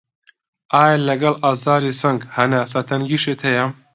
ئایا لەگەڵ ئازاری سنگ هەناسه تەنگیشت هەیە؟